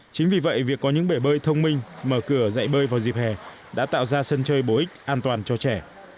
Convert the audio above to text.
chính vì vậy việc có những bể bơi thông minh mở cửa dạy bơi vào dịp hè đã tạo ra sân chơi bổ ích an toàn cho trẻ